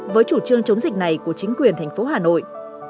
với chủ trương chống dịch này của chính quyền tp hà nội